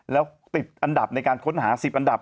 แล้วติดอันดับในการค้นหา๑๐อันดับ